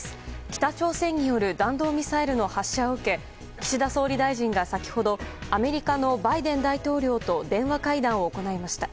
北朝鮮による弾道ミサイルの発射を受け岸田総理大臣が先ほどアメリカのバイデン大統領と電話会談を行いました。